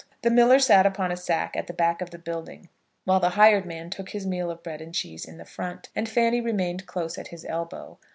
The miller sat upon a sack at the back of the building, while the hired man took his meal of bread and cheese in the front, and Fanny remained close at his elbow.